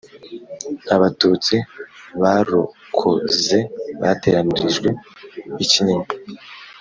Abatutsi barokoze bateranirijwe ikinyinya